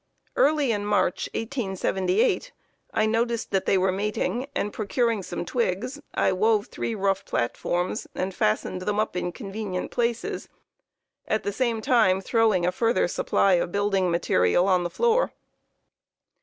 Early in March, 1878, I noticed that they were mating, and procuring some twigs, I wove three rough platforms, and fastened them up in convenient places, at the same time throwing a further supply of building material on the floor.